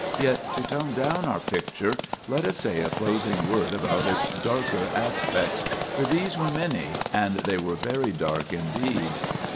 Yet, to tone down our picture, let us say a closing word about its darker aspects; for these were many, and they were very dark indeed.